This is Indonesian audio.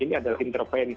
ini adalah intervensi